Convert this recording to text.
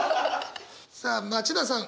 さあ町田さん